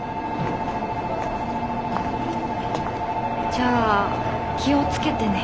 じゃあ気をつけてね。